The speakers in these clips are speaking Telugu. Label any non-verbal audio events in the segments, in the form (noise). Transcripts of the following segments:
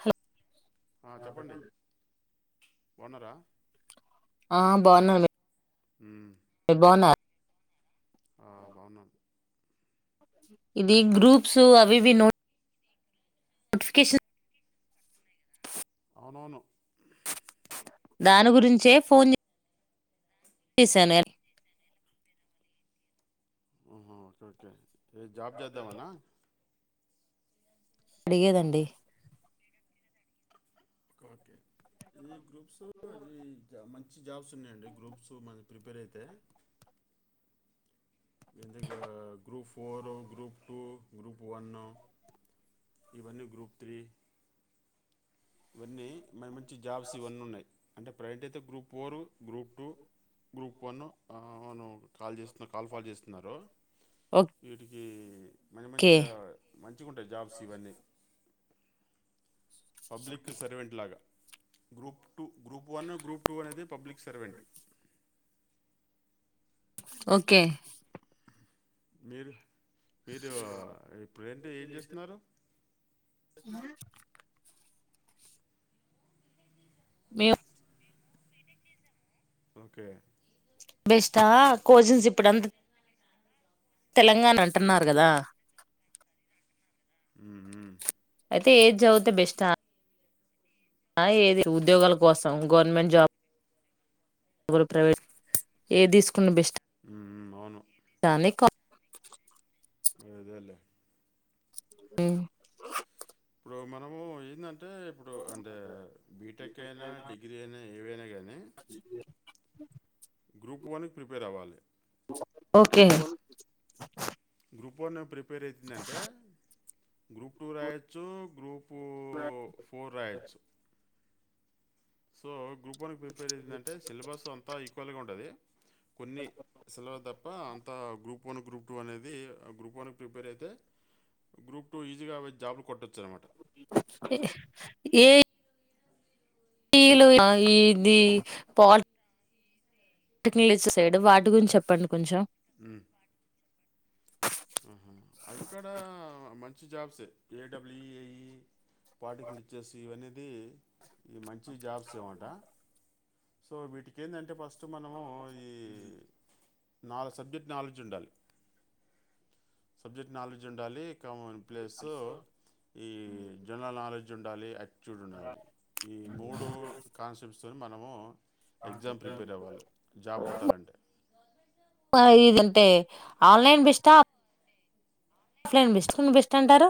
హలొ ఆ చెప్పండి బావున్నరా ఆ బావున్నాం మి మ్మ్ నెన్ బావున్నా ఆ బావున్నం ఇది గ్రూప్స్ అవివి నో నోటిఫికేషన్ అవునను దాని గురించే ఫోన్ చే చేశాను. ఏ అవునా ఓకే ఓకే ఏ జాబ్ చేద్దామానా అడిగేదండి. ఓకే ఈ గ్రూప్స్ ఇది జ మన్ మంచి జాబ్స్ ఉన్నాయండి గ్రూప్స్ మనం ప్రిపేర్ అయితే ఎందుకు group four group two group one ఇవన్నీ గ్రూప్ త్రీ ఇవన్నీ మై మంచి జాబ్స్ ఇవన్నీ ఉన్నాయి అంటే ప్రజెంట్ అయితే group, four group two, group one. ఆ కాల్ చేస్తున్న కాల్ ఫాల్ చేస్తున్నారు వీటికి మంచి ఓకే మంచిగా మంచి మంచిగుటాయి. జాప్స్ ఇవన్నీ పబ్లిక్ సర్వెంట్ లాగా group two group one group two అనేది పబ్లిక్ సర్వెంట్ ఓకే మీరు మీరు ఇప్పుడ ఏంటీ ఏం చేస్తున్నారు అ మేం ఓకే బెస్ట్ ఆ కోచింగ్స్ ఇప్పుడు అంత తెలంగాణ అంటున్నారు కదా ఉ ఉ అయితే ఏది చదివుతే బెస్ట్ ఆ ఆ ఏది ఉద్యోగాల కోసం గవర్నమెంట్ జాబ్ గో ప్రైవేట్ ఏ తీసుకున్న బెస్ట్ ఉ అవును దాని కా అదేలే ఉ ఇప్పుడు మనము ఎందంటే అంటే ఇప్పుడు అంటే బీటెక్ అయినా డిగ్రీ అయినా ఏవైనా కానీ గ్రూప్ వన్ కి ప్రిపేర్ అవ్వాలి ఓకే గ్రూప్ వన్ ప్రిపేర్ అవుతుందంటే గ్రూప్ టూ రాయొచ్చు గ్రూప్ టూ ఫోర్ రాయచ్చు సో గ్రూప్ వన్ ప్రిపేర్ అయియందంటే సిలబస్ అంతా ఈక్వల్ గా ఉంటది కొన్ని సిలబస్ తప్ప అంత గ్రూప్ వన్ గ్రూప్ టూ అనేది గ్రూప్ వన్ కి ప్రిపేర్ అయితే గ్రూప్ టూ ఈజీగా జాబ్లు కొట్టొచ్చు అనమాట ఏ ఏ టీలు ఇది పాట్ టెక్నీలు వేసే సైడ్ వాటి గురించి చెప్పండి కొంచెం ఉ ఉహూ అవి కూడా మంచి జాబ్సే ఏడబ్ల్యూఏఈ పాటికలు ఇచ్చేసి ఇవనేది ఈ మంచి జాబ్స్ అనమాట (unintelligible) సో వీటికి ఏంటంటే ఫస్ట్ మనము ఈ నాలుగు సబ్జెక్ట్ నాలెడ్జ్ ఉండాలి, సబ్జెక్ట్ నాలెడ్జ్ ఉండాలి. ఇకా ప్లేసు ఈ జనరల్ నాలెడ్జ్ ఉండాలి చూడుండాలి. ఈ మూడు కాన్సెప్త్స్ తో మనము ఎగ్జామ్ ప్రిపేర్ అవ్వాలి, జాబ్ కొట్టాలంటే ఇదంటే ఆన్లైన్ బెస్ట్ ఆ ఆఫ్లైన్ బెస్ట్ బెస్ట్ అంటారు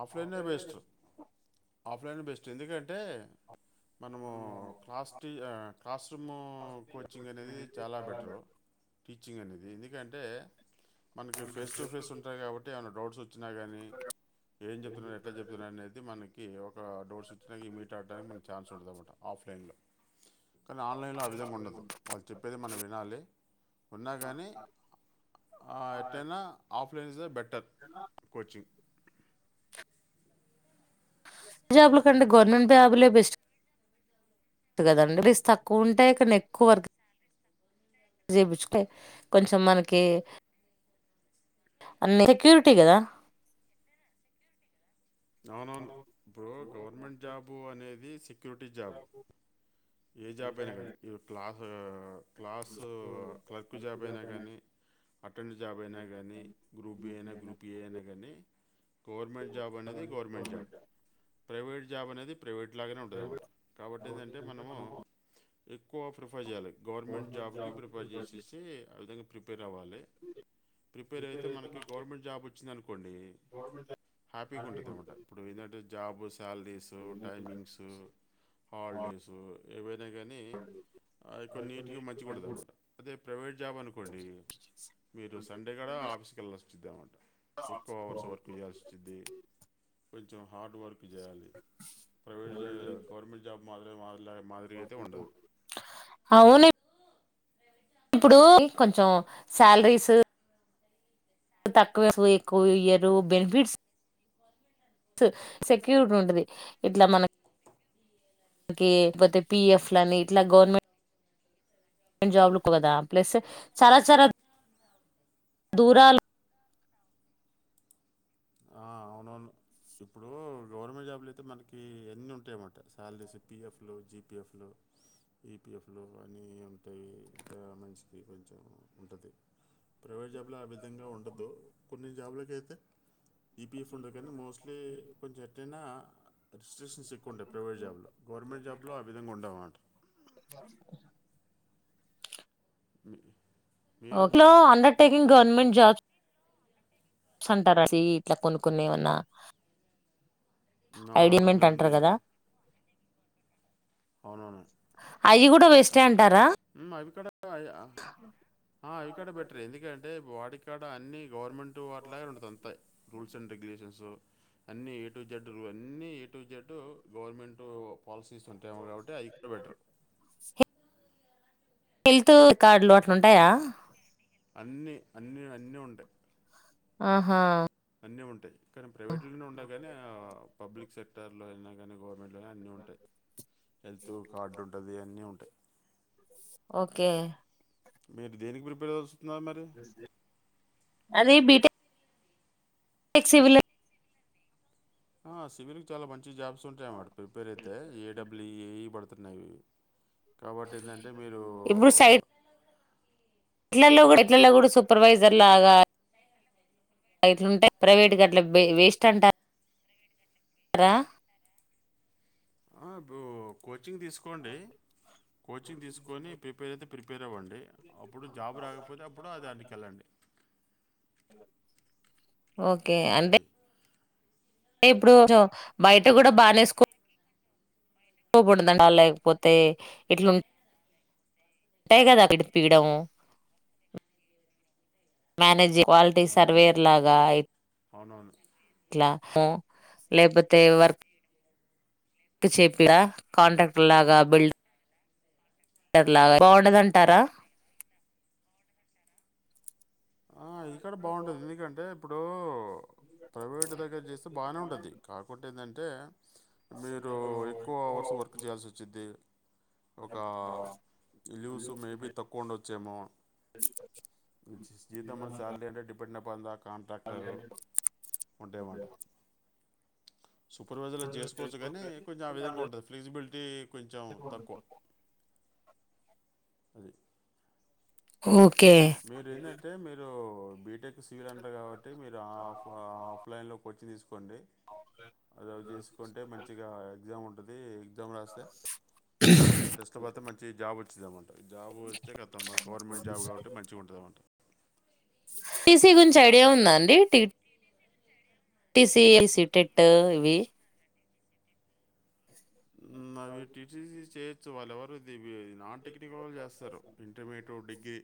ఆఫ్లైన్ నే బెస్ట్ ఆఫ్లైన్ నే బెస్ట్ ఎందుకంటే, మనము క్లాస్ టీ కస్ (unintelligible) కోచింగ్ అనేది చాల బెటరు టీచింగ్ అనేది ఎందుకంటే మనకి ఫేస్ టు ఫేస్ ఉంటాయి కాబట్టి ఏమైనా డౌట్స్ వచ్చినా కానీ ఏం చెప్తున్నారు, ఎట్లా చెప్తున్నారు, అనేది మనకి ఒ డౌట్స్, వచ్చినా మీట్ ఆడడానికి మనకు ఛాన్స్ ఉంటది. ఆఫ్లైన్లో కానీ ఆన్లైన్లో ఆ విధంగా ఉండదు వాళ్ళు చెప్పేదే మనం వినాలి ఉన్నా కాని ఆ ఎట్టైన ఆఫ్ (unintelligible) బెటర్ కోచింగ్ (unintelligible) జాబుల కంటే గవర్నమెంట్ జాబులే బెస్ట్ కదండి సాలరీస్ తక్కువ ఉంటేయి కానీ ఎక్కువ వర్క్ చేపించుకు కొంచెం మనకి (unintelligible) కదా అవునవును ఇప్పుడు గవర్నమెంట్ జాబు అనేది (unintelligible) జాబ్ ఏ జాబ్ అయినా కానీ యూ క్లాస్ క్లాసు క్లర్క్ జాబ్ అయినా కానీ అటెండ్ జాబ్ అయినా కానీ గ్రూప్ బి అయినా గ్రూప్ ఏ అయినా కానీ గవర్నమెంట్ జాబ్ అనేది గవర్నమెంట్ జాబ్ ప్రైవేట్ జాబ్ అనేది ప్రైవేట్ లాగానే ఉంటుందిన్నమాట కాబట్టి ఏంటంటే మనము ఎ ఎక్కువ ప్రిఫర్ చేయాలి గవర్నమెంట్ జాబ్కి ప్రిఫేర్ చేసేసి ఆ విధంగా ప్రిపేర్ అవ్వాలి ప్రిపేర్ అయితే మనకి గవర్నమెంట్ జాబ్ వచ్చింది అనుకోండి హ్యాపీగా ఉంటుంది (unintelligible) ఇప్పుడు ఏంటంటే జాబ్ సాలరీస్ టైమింగ్స్ హాలిడేస్ ఏవే అంతే కానీ కొన్ని నీట్గా మంచిగా ఉండదన్న మాట అదే ప్రైవేట్ జాబ్ అనుకోండి మీరు సండే గడ ఆఫీస్కి వెళ్ళొస్ చేయాల్సి వచ్చింది (inaudible) కొంచెం హార్డ్ వర్క్ చేయాలి ప్రైవేట్ జ గవర్మెంట్ జాబ్ మాత్రమే మాదిరిగ అయితే ఉండదు అవును ఇప్పుడు కొంచెం శాలరీసు తక్కువే ఎక్కువ ఇయ్యారు బెనిఫిట్స్ (unintelligible) సెక్యూరిటీ ఉంటుంది ఇట్లా మన లేకపోతే పిఎఫ్ లని ఇట్లా గవర్నమెం ట్ జాబ్ కదా ప్లస్ (unintelligible) దూరాలు అ (inaudible) అవును ఇప్పుడు గవర్నమెంట్ జాబులు అయితే మనకి ఎన్ని ఉంటాయన్నమాట శాలరీస్ పిఎఫ్లు జిపిఎఫ్లు ఈపిఎఫ్లో కానీ ఉంటాయి ఇ మంచిది కొంచెం ఉంటది ప్రైవేట్ జాబ్లో ఆ విధగా ఉండదు కొన్ని జాబ్లకైయితే ఈపిఎఫ్ ఉండదు కానీ మోస్ట్లీ కొంచెం ఎటైన రిస్ట్రిక్షన్స్ ఎక్కువ ఉంటాయి ప్రైవేట్ జాబ్లో గవర్నమెంట్ జాబ్లో ఆ విధంగ ఉండవు అనమాట అ (unintelligible) లో అండర్ టేకింగ్ గవర్నమెంట్ జాబ్స్ స్ అంటారు సి ఇట్లా కొన్ని కొన్ని ఏమన్న ఆ, ఉంది ఐడిమెంట్ ఉంది అంటారు కదా అవునవును అయి కూడ వేస్ట్ అం అవి కూడ అవి కూడ బెటర్ ఎందుకంటే వాడికి ఇక్కడ అన్ని గవర్నమెంట్ వాటిలాగే ఉంటుంది అంతా రూల్స్ అండ్ రెగ్యులేషన్స్ అన్ని ఏటు జెడ్ అన్ని ఏటు జెడ్ గవర్నమెంట్ పాలసీ తీస్తుంటే ఏమో కాబట్టి అది కూడా బెటర్ హెల్త్ రికార్డులు అట్లా ఉంటాయ అన్నీ అన్నీ అన్నీ ఉంటాయి ఆహా అన్నీ ఉంటాయి కానీ ప్రైవేట్లోనే ఉన్నా కానీ పబ్లిక్ సెక్టర్లో అయినా కానీ గవర్న అన్నీ ఉంటాయి హెల్త్ కార్డు ఉంటుంది అన్నీ ఉంటాయి ఓకే మీరు దేనికి ప్రిపేర్ అ నాది బీటెక్ క్ సివిల్ ఆ సివిల్ కి చాలా మంచి జాబ్స్ ఉంటాయ అన్నమాట ప్రిపేర్ అయితే ఏడబ్ల ఏ ఇ పడుతున్నాయి కాబట్టి ఏంటంటే మీరు ఇప్పుడు సైడ్ ఇలో ఇట్లలో కూడా సూపర్వైజర్ లాగా రైతులుంటే ప్రైవేటు గడ్ల వేస్ట్ అంటారు రా ఇప్పుడు కోచింగ్ తీసుకోండి కోచింగ్ తీసుకొని ప్రిపేర్ అయితే ప్రిపేర్ అవ్వండి అప్పుడు జాబ్ రాకపోతే అప్పుడు అది దానికి వెళ్ళండి ఆ ఓకే అంటే అది అంటే ఇప్పుడు కొంచం బయట కూడా బానే స్కోప్ బడదండా లేకపోతే ఇట్లుంది ఉంటాయి కదా అక్కడ పీడం మానేజ్ క్వాలిటీ అవునవును సర్వేయర్ లాగా అయి అవునవును ఆ హా లేపోతే వర్ కు చెట్ల కాంట్రాక్టర్ లాగా బిల్డ లాగా బాగుండదంటారా ఆ ఇక్కడ బావుంటది ఎందుకంటే ఇప్పుడు ప్రైవేటు దగ్గర చేస్తే బానే ఉంటుది కాకుంటే ఏంటంటే మీరు ఎక్కువ అవర్స్ వర్క్ చేయాల్సి వచ్చిద్ది ఒక లీవ్స్ మేబి తక్కువ ఉండొచ్చేమో (inaudible) ఇక మన శాలరీ అంటే డిపెండ్ ఆన్ ద కాంట్రాక్టర్ ఉంటాయన్నమాట సూపర్వైజర్లు చేసుకోవచ్చు కానీ కొంచెం ఆ విధంగా ఉంటుంది ఫ్రీజబిలిటీ కొంచెం తక్కువ అది ఓ మీరు ఏంటంటే మీరు బీటెక్ సివిల్ అంటారు కాబట్ టె మీరు ఆఫ్ ఆఫ్లైన్లో కోచింగ్ తీసుకుంటే కొండి అది చేసుకుంటే మంచిగా ఎగ్జామ్ ఉంటది ఎగ్జామ్ రాస్తే టెస్ట్లో పోతే మంచి జాబ్ వచ్చిదన్నమాట జాబ్ వస్తే ఖతం గవర్నమెంట్ జాబ్ కాబట్టి మంచిగా ఉంటదన్నమాట టీసీ గురించి ఐడియా ఉందా అండి టీ టిసిఐసి టెట్ ఇవి అవి టీసీసీ చేయొచ్చు వాళ్లు ఎవరు ఇది అ నాన్ టెక్నికల్ వాళ్ళు చేస్తారు ఇంటర్మీడియట్ డిగ్రీ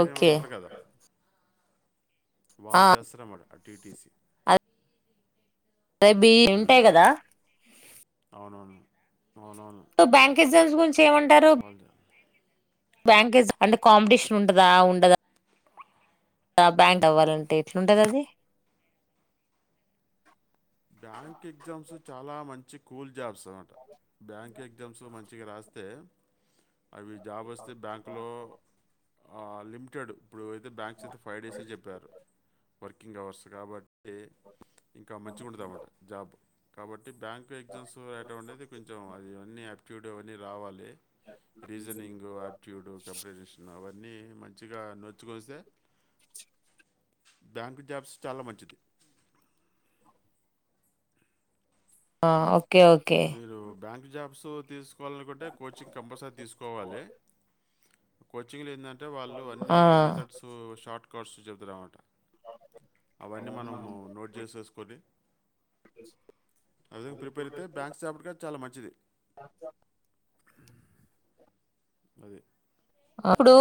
ఓకే ఉంటారు కదా ఆ వాళ్ళు చేస్తారు అన్నమాట టీటీసీ ఏ బి ఉంటాయి మ్, కదా అవునవును అవునవును అంటే బ్యాంక్ ఎగ్జామ్స్ గురించి ఏమంటారు? వాళ్ళు బ్యాంకేజ్ అంటే, కాంపిటెషన్ ఉంటదా! ఉండదా? ఆ బ్యాంక్ అవ్వాలంటే, ఎట్లుంటది అది బ్యాంక్ ఎగ్జామ్స్ చాలా మంచి కూల్ జాబ్స్ అన్నమాట. బ్యాంక్ ఎగ్జామ్స్ మంచిగ రాస్తే, అవి జాబొస్తే బ్యాంకులో ఆ లిమిటెడ్. ఇప్పుడు అయితే బ్యాంక్స్ అయితే ఫైవ్ డేసే చెప్పారు. వర్కింగ్ అవర్స్ కాబట్ టె ఇంకా మంచిగుంటదన్నమాట జాబ్. కాబట్ టి బ్యాంక్ ఎగ్జామ్స్ రాయటం అనేది, కొంచెం అది అన్నీ ఆప్టిట్యూడ్ అవన్నీ రావాలి. రీజనింగ్, ఆప్టిట్యూడ్, కంప్రెజేషన్ అవన్ న్నీ మంచిగా నోచుకొస్తే, బ్యాంక్ జాబ్స్ చాల మంచిది. ఆ ఓకె ఓకె క్ జాబ్స్ తీసుకోవాలనుకుంటే, కోచింగ్ కంపల్సరీ తీసుకోవాలి. కోచింగ్ లో ఎందన్ టే వాళ్ళు ఆ అన్ని మెథడ్స్, షార్ట్ కట్స్ చెబుదురు అన్నమాట. అవన్నీ మనము నోట్ చేసేసుకొని, పెట్టేస్కో. అదే గ్రూప్లో అయితే సే అప్పటికే చాలా మంచిది. వాట్సాప్ అది అప్పుడు,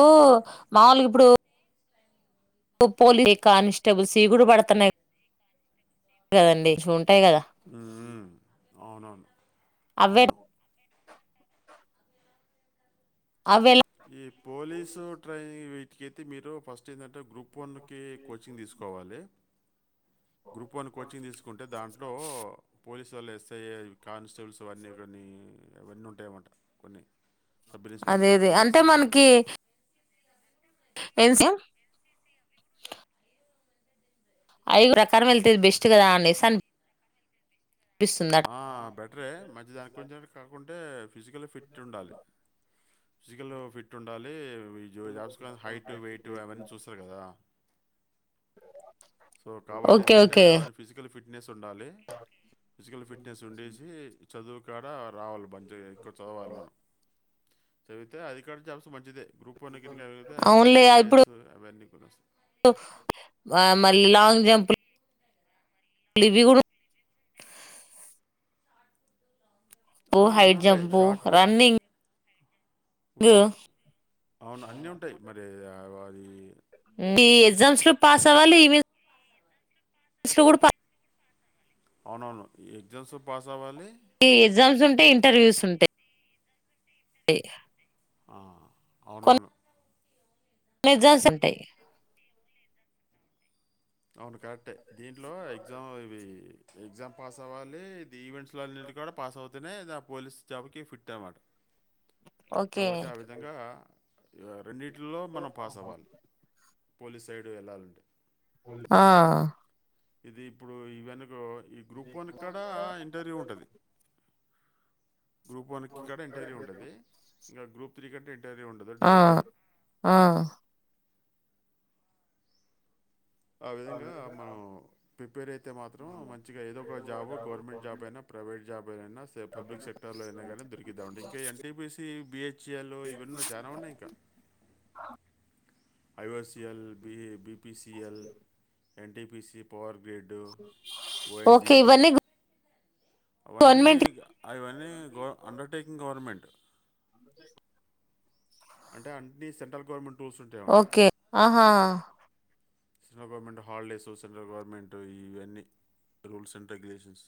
మాములుగా ఇప్పుడు పోలి కానిస్టేబుల్ సి గూడ పడతన్నాయి కదండీ ను టై కదా! ఉమ్, అవునవును అవే అవును. అవే ఎలా- ఈ పోలీసు ట్రై వీటికయితే మీరు ఫస్ట్ ఏంటంటే గ్రూప్ ప్ వన్ కి కోచింగ్ తీసుకోవాలి. గ్రూప్ వన్ కోచింగ్ తీసుకుంటే, దాంట్లో పోలీసువల్ల ఎస్ఐ ఇవి కానిస్ చల్స్ వన్నీ గాని అవన్నీ ఉంటాయన్నమాట కొన్ని. సబ్ ఇన్స్పెక్టర్ ఆఫ్ అదేది అంటే పోలీసు ఉంటాయి మనకి ఏంసి ఐదురకారం వెళ్తే ఇది బెస్ట్ కదా అనేన్ అన్ ఆ బెటరే. మంచి దాని కొంచమైన కాకున్ ఫిజికల్లి ఫిట్ ఉండాలి. ఫిజికలు ఫిట్ ఉండాలి ఇవి జు జాబ్స్ లో హైట్ వెయిట్ అవన్నీ చూస్తారు కదా! అ (inaudible) సో కాబట్టి ఎందంటే అవన్నీ ఫిజికల్ ఫిట్ ఉండాలి. ఫిజికల్ ఫిట్నెస్ ఉండేసి, చదువుకాడ రావాలి బన్ దేగ ఇక్కడ చదవాలి మనం. చదివితే, అధికారి జాబ్స్ మంచిదే. గ్రూప్ వన్ కిరికా అవయితే ఐపీ అవునులే ఇప్పుడు ఐఏఎస్ అవన్నీ కూడ వస్తాయి. మల్లి లాంగ్ జంప్ లు లివి గుడు పు ఆ! అన్నీ హైట్ ఉంటాయి. జంపు, రన్నింగ్ ఉంటే అవును. అన్నీ ఉంటాయి మరి. వారి, ఈ ఎగ్జామ్స్ లొ పాస్ అవ్వాలి ఈవెన్ స్లో కుడా పా అవునవును ఎగ్జామ్స్ లొ పాస్ అవ్వాలి ఈ ఎగ్జామ్స్ ఉంటాయి. ఇంటర్వ్యూస్ ఉంటాయ్ ఇ. ఆ అవునవును. లెజల్స్ ఉంటాయి. అవును కరెక్టే. దీంట్లో ఎగ్జామ్ ఇవి ఎగ్జామ్ పాస్ అవ్వాలి. ఇ ఈవెంట్స్ లో అన్నింటి కాడా పాస్ అవుతనే ఆ పోలీస్ జాబ్ కి ఫిట్ అన్నమాట ఓకే కాబట్టి ఆ విధంగా రెండింటిలో మనం పాస్ అవ్వాలి పోలీస్ సైడు వెళ్ళాలంటే ఆ ఇది ఇప్పుడు ఈ వెనుక ఈ గ్రూప్ వన్ కాడా ఆ ఇంటర్వ్యూ ఉంటది గ్రూప్ వన్ కి కాడా ఇంటర్వ్యూ ఉంటది ఇక గ్రూప్ త్రీ కంటే ఇంటర్వ్యూ ఉండదు ఆ డైరెక్ట్. ఆ ఆ విధంగా మనం ప్రిపేర్ అయి తే మాత్రం మంచిగా ఏదో ఒక జాబ్ గవర్నమెంట్ జాబ్ అయినా ప్రైవేట్ యిన పబ్లిక్ సెక్టర్ లో అయినా కానీ దొరికిదామంటే ఇంకా ఎన్టీబీసి బీహెచ్ఇఎల్ ఇవన్ లో జాయిన్ అవండి ఇకా IOCL, B, BPCL, N T P C power వీడ్డు ఓకే ఓఎన్జీసి ఇవన్నీ అవన్నీ గవర్నమెంట్ ఇగ అవన్నీ గ అండర్టేకింగ్ గవర్నమెంట్ (unintelligible) అంటే అన్ని సెంట్రల్ గవర్నమెంట్ రూల్స్ ఉంటాయన్నమాట ఒకే ఆహా central government holidays central government ఇవన్నీ రూల్స్ అండ్ రెగ్యులేషన్స్